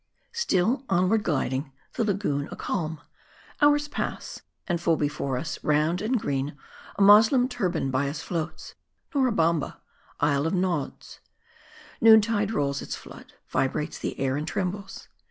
STILL onward gliding, the lagoon a calm. Hours pass ; and full before us, round and green, a Mos lem turban by us floats Nora Bamma> Isle of Nods. Noon tide rolls its flood. Vibrates the air, and trembles.